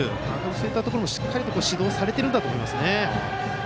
そういったところもしっかりと指導されていると思いますね。